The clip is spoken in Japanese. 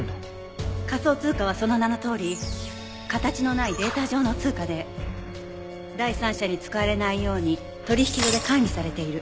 仮想通貨はその名のとおり形のないデータ上の通貨で第三者に使われないように取引所で管理されている。